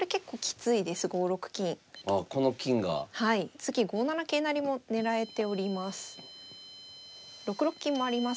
次５七桂成も狙えております。